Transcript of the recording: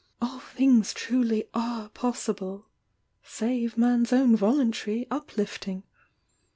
AU things truly are possible, save man s own voluntary uplifting.